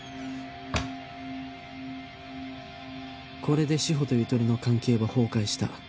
これで志法とゆとりの関係は崩壊した